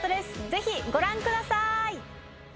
ぜひご覧ください